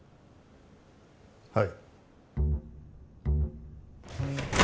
はい。